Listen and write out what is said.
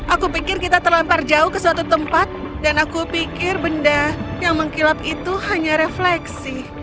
aku pikir kita terlempar jauh ke suatu tempat dan aku pikir benda yang mengkilap itu hanya refleksi